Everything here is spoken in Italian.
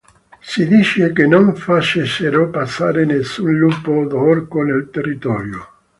Si dice che non facessero passare nessun lupo od Orco nel territorio.